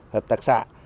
hợp tác xã